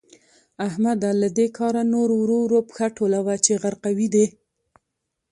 احمده؛ له دې کاره نور ورو ورو پښه ټولوه چې غرقوي دي.